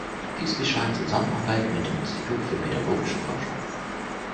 Dies geschah in Zusammenarbeit mit dem Institut für pädagogische Forschung.